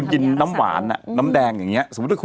มีสารตั้งต้นเนี่ยคือยาเคเนี่ยใช่ไหมคะ